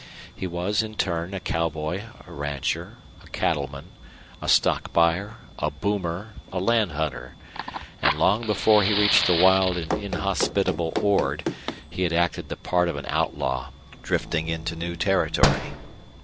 He was in turn a cowboy, a rancher, a cattleman, a stock buyer, a boomer, a land hunter; and long before he reached the wild and inhospitable Ord he had acted the part of an outlaw, drifting into new territory.